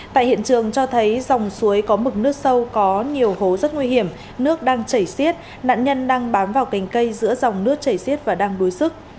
tại hiện trường cho thấy dòng suối có mực nước sâu có nhiều hố rất nguy hiểm nước đang chảy xiết nạn nhân đang bám vào cành cây giữa dòng nước chảy xiết và đang đuối sức